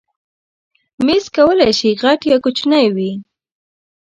مېز کولی شي غټ یا کوچنی وي.